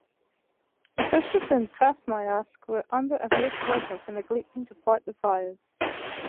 Officials in Krasnoyarsk were under investigation for neglecting to fight the fires.